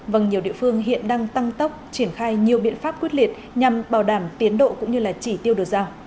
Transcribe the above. vâng nhiều địa phương hiện đang tăng tốc triển khai nhiều biện pháp quyết liệt nhằm bảo đảm tiến độ cũng như chỉ tiêu được giao